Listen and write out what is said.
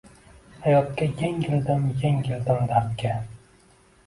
Xayotga engildim engildim dardga